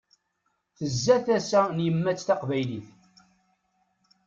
Tezza tasa n tyemmat taqbaylit.